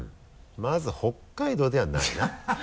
まず北海道ではないな。